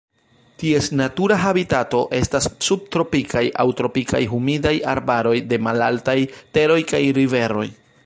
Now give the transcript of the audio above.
Ties natura habitato estas subtropikaj aŭ tropikaj humidaj arbaroj de malaltaj teroj kaj riveroj.